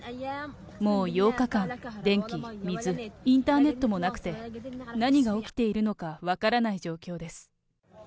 もう８日間、電気、水、インターネットもなくて、何が起きているのか分からない状況です。